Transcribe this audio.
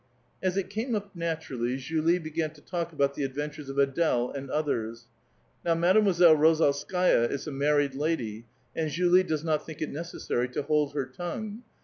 As it came up naturally, Julie began to talk about the ad ventures of Ad^leand others. Now Mademoiselle Rozdlskaia is a married lady, and Julie does not think it necessary to hold her tongue.